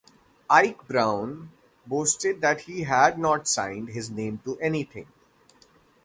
Ike Brown boasted that he had not signed his name to anything.